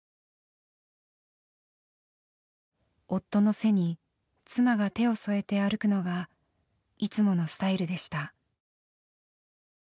夫の背に妻が手を添えて歩くのがいつものスタイルでした。